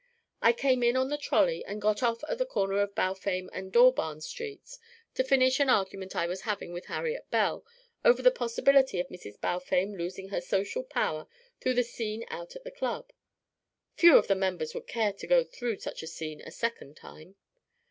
I came in on the trolley and got off at the corner of Balfame and Dawbarn Streets, to finish an argument I was having with Harriet Bell over the possibility of Mrs. Balfame losing her social power through the scene out at the club few of the members would care to go through such a scene a second time.